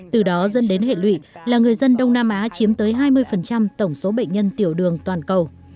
từ đó dẫn đến hệ lụy là người dân đông nam á chiếm tới hai mươi tổng số bệnh nhân tiểu đường toàn cầu